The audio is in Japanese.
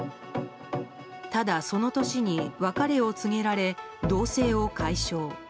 ただ、その年に別れを告げられ同棲を解消。